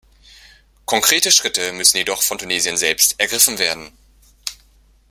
Konkrete Schritte müssen jedoch von Tunesien selbst ergriffen werden.